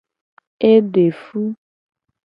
E de fu.